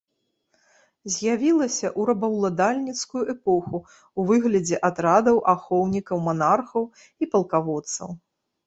З'явілася ў рабаўладальніцкую эпоху ў выглядзе атрадаў ахоўнікаў манархаў і палкаводцаў.